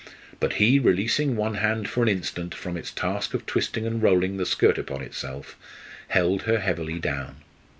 But he, releasing one hand for an instant from its task of twisting and rolling the skirt upon itself, held her heavily down.